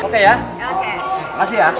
terima kasih pak